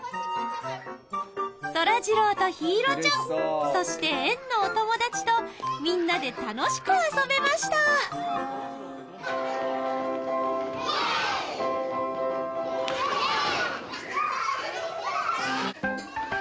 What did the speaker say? そらジローと陽彩ちゃんそして園のお友達とみんなで楽しく遊べましたイエイ！イエイ！